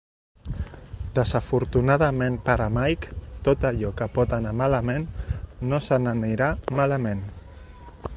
Desafortunadament per a Mike, tot allò que pot anar malament no se n'anirà malament.